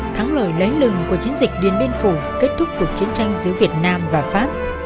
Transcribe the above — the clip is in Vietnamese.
thắng lợi lấy lừng của chiến dịch điện biên phủ kết thúc cuộc chiến tranh giữa việt nam và pháp